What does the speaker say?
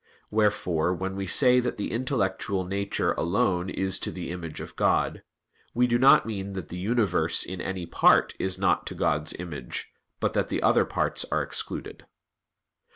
Wherefore, when we say that the intellectual nature alone is to the image of God, we do not mean that the universe in any part is not to God's image, but that the other parts are excluded.